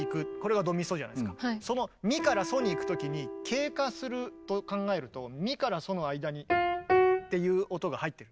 そのミからソにいく時に経過すると考えるとミからソの間に。っていう音が入ってる。